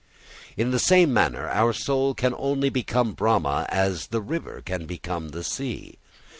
In the same manner, our soul can only become Brahma as the river can become the sea.